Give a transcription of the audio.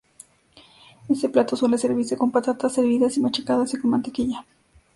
Este plato suele servirse con patatas hervidas machacadas y con mantequilla.